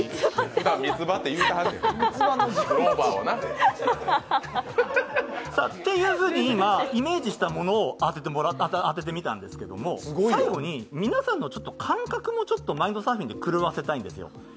ふだん三つ葉と言うてはるねん、クローバーをな。というふうに今、イメージしたものを当ててみたんですけども、最後に皆さんのちょっと感覚もマインドサーフィンで狂わせたいんですよ